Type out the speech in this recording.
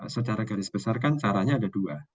secara garis besar kan caranya ada dua